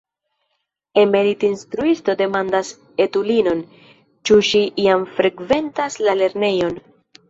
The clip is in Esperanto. Emerita instruisto demandas etulinon, ĉu ŝi jam frekventas la lernejon.